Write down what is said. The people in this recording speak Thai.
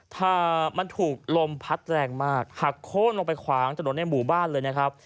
ถ้ามันถูกลมพัดแรงมากหักโค้นลงไปขวางถนนในหมู่บ้านเลยนะครับ